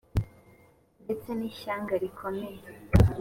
ndetse n ishyanga rikomeye